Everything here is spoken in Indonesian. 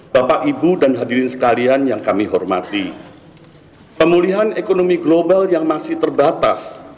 bapak ibu dan hadirin sekalian yang kami hormati pemulihan ekonomi global yang masih terbatas